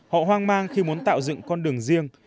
họ hoang mang khi muốn tạo dựng con đường riêng